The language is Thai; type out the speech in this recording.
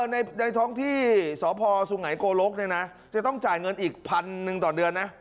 ในท้องที่สพสุกลกนี่นะจะต้องจ่ายเงินอีก๑๐๐๐บาทต่อเดือนนะ